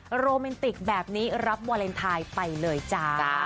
อ๋อนะคะโรเมนติกแบบนี้รับวาเลนไทน์ไปเลยจ๊ะ